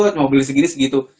cuma boleh segini segitu